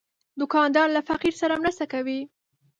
دوکاندار له فقیر سره مرسته کوي.